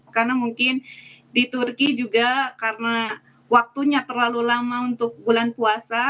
karena mungkin di turki juga karena waktunya terlalu lama untuk bulan puasa